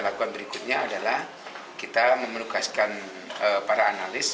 lakuan berikutnya adalah kita memenuhkaskan para analis